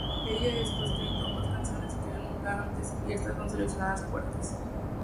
Ella es co-escrito más canciones que nunca antes, y estas son selecciones fuertes.